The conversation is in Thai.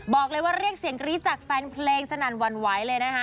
บอกเลยว่าเรียกเสียงกรี๊ดจากแฟนเพลงสนั่นหวั่นไหวเลยนะคะ